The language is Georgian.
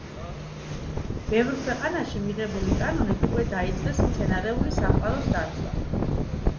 ბევრ ქვეყანაში მიღებული კანონით უკვე დაიწყეს მცენარეული სამყაროს დაცვა.